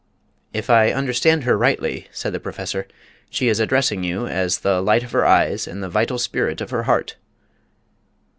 "If I understand her rightly," said the Professor, "she is addressing you as the 'light of her eyes and the vital spirit of her heart.'"